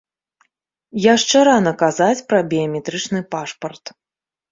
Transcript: Яшчэ рана казаць пра біяметрычны пашпарт.